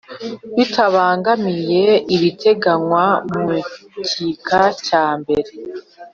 Bitabagamiye ibiteganywa mu gika cya mbere